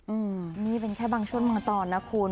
อืมนี่เป็นแค่บางช่วงบางตอนนะคุณ